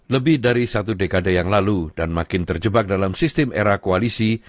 lebih dari satu dekade yang lalu dan makin terjebak dalam sistem era koalisi